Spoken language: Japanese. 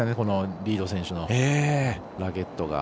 リード選手のラケットが。